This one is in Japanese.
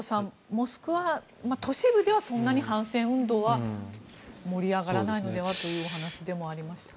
モスクワ、都市部ではそんなに反戦運動は盛り上がらないのではというお話でもありました。